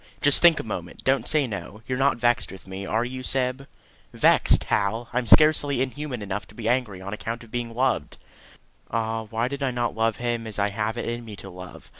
Just think a moment; don't say no. You are not vexed with me are you, Syb?" "Vexed, Hal! I am scarcely inhuman enough to be angry on account of being loved." Ah, why did I not love him as I have it in me to love!